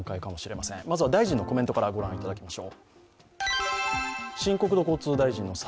まずは大臣のコメントから御覧いただきましょう。